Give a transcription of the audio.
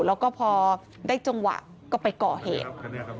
แล้วก็พอได้จังหวะก็ไปก่อเหตุ